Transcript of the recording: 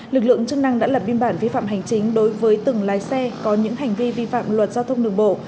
lực lượng chức năng đã lập biên bản vi phạm hành chính đối với từng lái xe có những hành vi vi phạm luật giao thông đường bộ